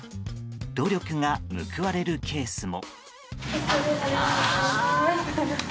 努力が報われるケースも。